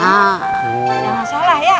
jangan salah ya